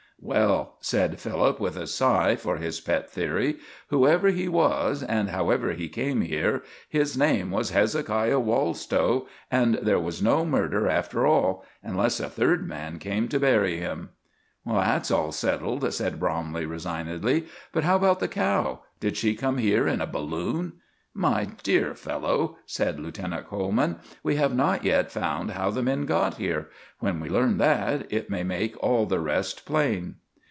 "Well," said Philip, with a sigh for his pet theory, "whoever he was and however he came here, his name was Hezekiah Wallstow, and there was no murder after all unless a third man came to bury him." "That's all settled," said Bromley, resignedly; "but how about the cow? Did she come here in a balloon?" "My dear fellow," said Lieutenant Coleman, "we have not yet found how the men got here. When we learn that, it may make all the rest plain."